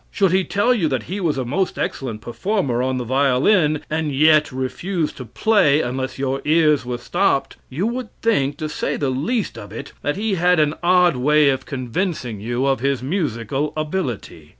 Should he tell you that he was a most excellent performer on the violin, and yet refused to play unless your ears were stopped, you would think, to say the least of it, that he had an odd way of convincing you of his musical ability.